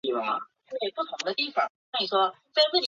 台湾稠李为蔷薇科梅属下的一个种。